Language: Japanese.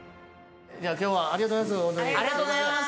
今日はありがとうございます。